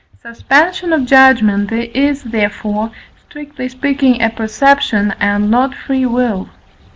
Suspension of judgment is, therefore, strictly speaking, a perception, and not free will.